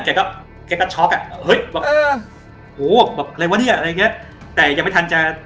เขาอยู่โหแบบอะไรวะเนี้ยอะไรเงี้ยแต่ยังไม่ทันจะ